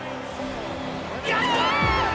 やった！